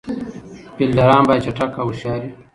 فیلډران باید چټک او هوښیار يي.